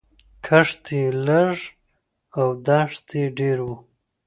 کښت یې لږ او دښت یې ډېر و